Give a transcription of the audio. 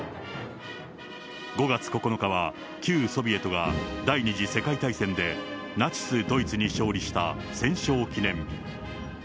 ５月９日は旧ソビエトが第２次世界大戦で、ナチス・ドイツに勝利した戦勝記念日。